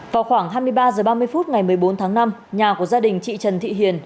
vào khoảng hai mươi ba h ba mươi phút ngày một mươi bốn tháng năm nhà của gia đình chị trần thị hiền